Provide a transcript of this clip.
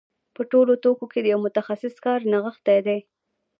په ټولو توکو کې د یو متخصص کار نغښتی دی